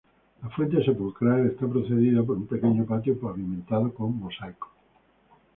La fuente sepulcral está precedida por un pequeño patio pavimentado con mosaico.